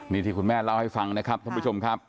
นี่ที่คุณแม่เล่าให้ฟังนะครับท่านผู้ชมครับ